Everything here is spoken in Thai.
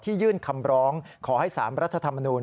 ยื่นคำร้องขอให้๓รัฐธรรมนูล